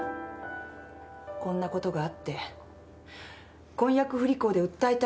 こんなことがあって婚約不履行で訴えたいなんて。